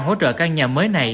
hỗ trợ căn nhà mới này